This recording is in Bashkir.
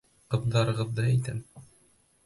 Ҡыҙҙарығыҙҙы әйтәм.